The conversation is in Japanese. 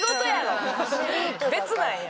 別なんや。